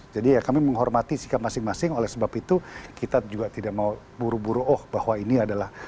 jadi ya kami menghormati sikap masing masing oleh sebab itu kita juga tidak mau buru buru oh bahwa ini adalah